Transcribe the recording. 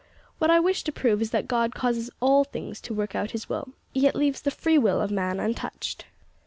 What I wish to prove is that God causes all things to work out His will, yet leaves the free will of man untouched.